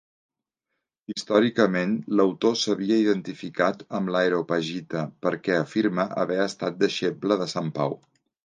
Històricament l'autor s'havia identificat amb l'Areopagita perquè afirma haver estat deixeble de Sant Pau.